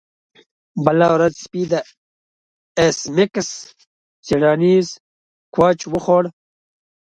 بله ورځ سپي د ایس میکس څیړنیز کوچ وخوړ